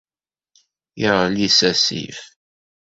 Yeɣli s asif.